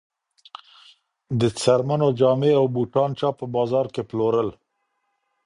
د څرمنو جامې او بوټان چا په بازار کي پلورل؟